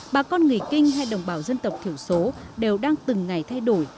bà con người kinh hay đồng bào dân tộc thiểu số đều đang từng ngày thay đổi